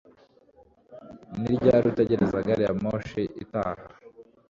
Ni ryari utegereza gari ya moshi itaha